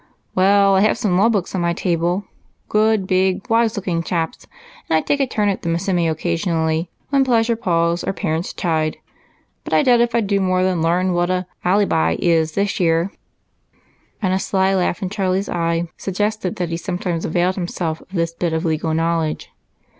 "Well, I have some lawbooks on my table good, big, wise looking chaps and I take a turn at them semioccasionally when pleasure palls or parents chide. But I doubt if I do more than learn what 'a allybi' is this year," and a sly laugh in Charlie's eye suggested that he sometimes availed himself of this bit of legal knowledge.